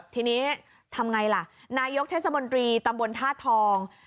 ทีนี้ทำไงล่ะนายกเทศมนตรีตำบลท่าทอง